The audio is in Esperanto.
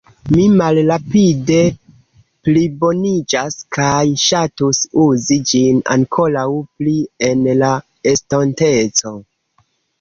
Mi malrapide pliboniĝas kaj ŝatus uzi ĝin ankoraŭ pli en la estonteco.